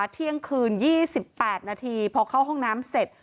เที่ยงคืน๒๘นาทีพอเข้าห้องน้ำเสร็จ